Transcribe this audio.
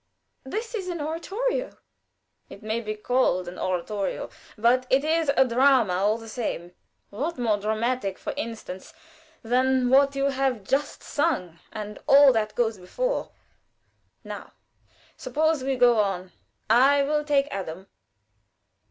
But this is an oratorio." "It may be called an oratorio, but it is a drama all the same. What more dramatic, for instance, than what you have just sung, and all that goes before? Now suppose we go on. I will take Adam."